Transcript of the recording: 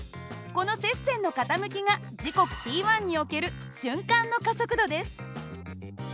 この接線の傾きが時刻ｔにおける瞬間の加速度です。